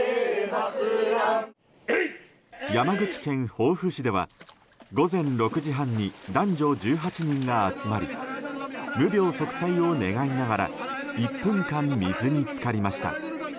山口県防府市では午前６時半に男女１８人が集まり無病息災を願いながら１分間、水に浸かりました。